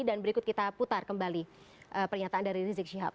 dan berikut kita putar kembali pernyataan dari rizik syihab